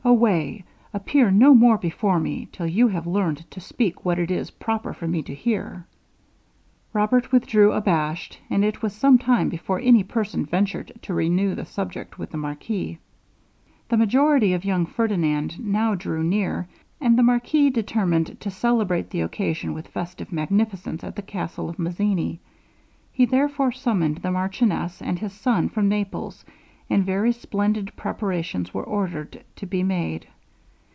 Away appear no more before me, till you have learned to speak what it is proper for me to hear.' Robert withdrew abashed, and it was some time before any person ventured to renew the subject with the marquis. The majority of young Ferdinand now drew near, and the marquis determined to celebrate the occasion with festive magnificence at the castle of Mazzini. He, therefore, summoned the marchioness and his son from Naples, and very splendid preparations were ordered to be made.